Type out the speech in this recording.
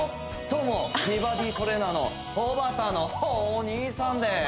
どうも美バディトレーナーのおばたのお兄さんです